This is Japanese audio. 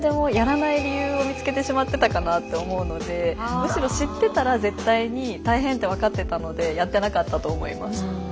むしろ知ってたら絶対に大変って分かってたのでやってなかったと思います。